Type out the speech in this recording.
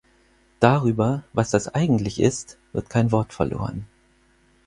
Darüber, was das eigentlich ist, wird kein Wort verloren.